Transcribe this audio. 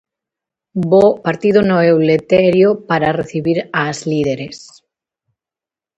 Bo partido no Eleuterio para recibir ás líderes.